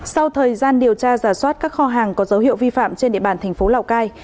sau thời gian điều tra giả soát các kho hàng có dấu hiệu vi phạm trên địa bàn thành phố lào cai